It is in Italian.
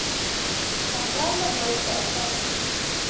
Comprende due specie.